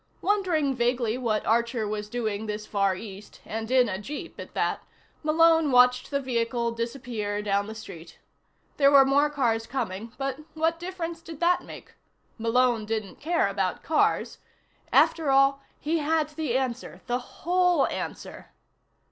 Wondering vaguely what Archer was doing this far East, and in a jeep at that, Malone watched the vehicle disappear down the street. There were more cars coming, but what difference did that make? Malone didn't care about cars. After all, he had the answer, the whole answer....